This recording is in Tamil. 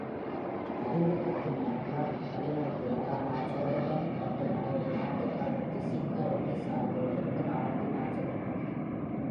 தடைகளுக்குப் பின்னால் க்ளஃப்ட் வழிநடத்தினார், ஆனால் சோதர்டன் மற்றும் அவரது நாட்டுக்காரர் ஜெசிகா என்னிஸ் ஆகியோர் நெருக்கமாக பின்னால் சென்றனர்.